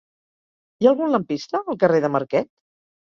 Hi ha algun lampista al carrer de Marquet?